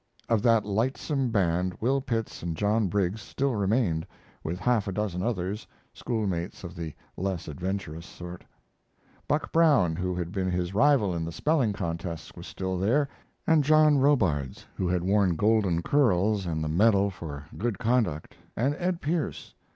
Of that lightsome band Will Pitts and John Briggs still remained, with half a dozen others schoolmates of the less adventurous sort. Buck Brown, who had been his rival in the spelling contests, was still there, and John Robards, who had worn golden curls and the medal for good conduct, and Ed Pierce.